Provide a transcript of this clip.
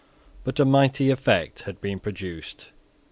But a mighty effect had been produced.